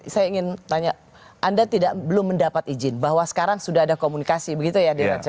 saya ingin tanya anda belum mendapat izin bahwa sekarang sudah ada komunikasi begitu ya di rancangan